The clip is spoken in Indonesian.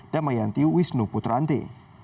damayanti wisnu putrante